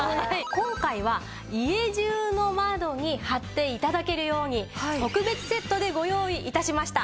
今回は家中の窓に貼って頂けるように特別セットでご用意致しました。